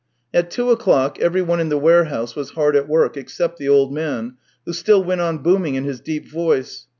At two o'clock everyone in the warehouse was hard at work, except the old man, who still went on booming in his deep voice.